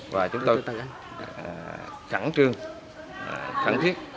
và chúng tôi khẳng trương khẳng thiết